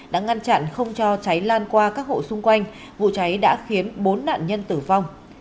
đã ngăn chặn không cho cháy lan qua các hộ xung quanh vụ cháy đã khiến bốn nạn nhân tử vong